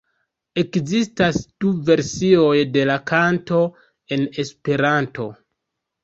Ekzistas du versioj de la kanto en Esperanto.